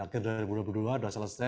akhir dua ribu dua puluh dua sudah selesai